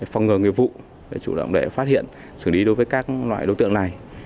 phòng ngừa nghiệp vụ để chủ động để phát hiện xử lý đối với các loại đối tượng này